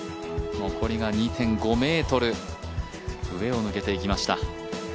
残りが２．５ｍ上を抜けていきました。